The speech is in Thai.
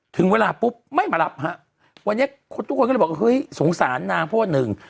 ถึงเวลาปุ๊บไม่มารับฮะวันนี้คนทุกคนก็เลยบอกเฮ้ยสงสารนางเพราะว่าหนึ่ง